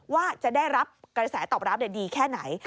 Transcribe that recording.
ว่าจะได้รับกระแสตอบรับดีแค่ไหน